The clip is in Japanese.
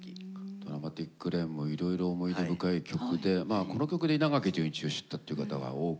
「ドラマティック・レイン」もいろいろ思い出深い曲でまあこの曲で稲垣潤一を知ったっていう方が多く。